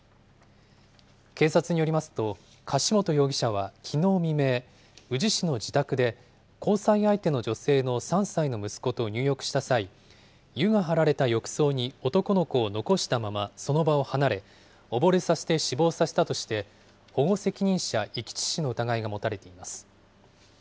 警察によりますと、柏本容疑者はきのう未明、宇治市の自宅で、交際相手の女性の３歳の息子と入浴した際、湯が張られた浴槽に男の子を残したままその場を離れ、溺れさせて死亡させたとして、保護責任者遺棄致死の疑いが持たれています。